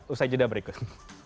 usai jeda berikut